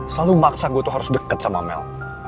selalu maksa gue tuh harus deket sama mel